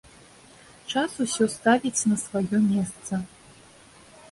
Час усё ставіць на свае месца.